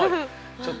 ちょっと。